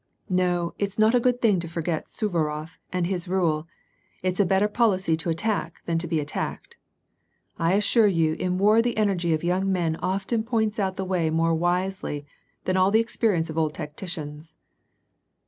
No, it's not a good thing to forget Suvarof and his rule : 'it's a better policy to attack than to be attacked.' I assure you, in w^ar the energy of young men often points out the way more wisely than all the experience of old tacticians."